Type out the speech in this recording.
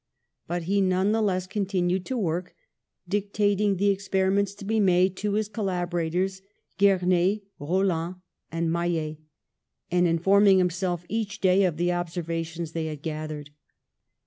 But he none the less continued to work, dictat ing the experiments to be made to his col laborators, Gernez, Raulin and Maillet, and in forming himself each day of the observations they had gathered.